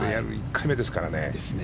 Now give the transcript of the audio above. １回目ですからね。